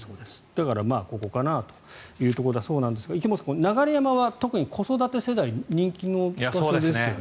だから、ここかなというところだそうですが池本さん、流山は特に子育て世帯に人気の場所ですよね。